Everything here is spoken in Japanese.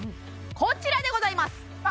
こちらでございます